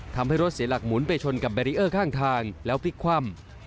ทำให้รถเสียหลักหมุนไปชนกับแบรีเออร์ข้างทางแล้วพลิกคว่ำ